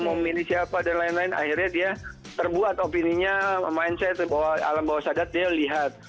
memilih siapa dan lain lain akhirnya dia terbuat opininya mindset alam bawah sadar dia lihat